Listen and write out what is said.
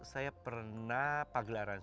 saya pernah pagelaran